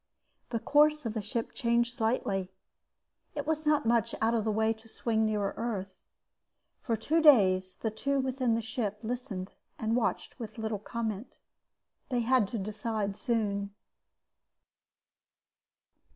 The course of the ship changed slightly; it was not much out of the way to swing nearer Earth. For days the two within the ship listened and watched with little comment. They had to decide soon.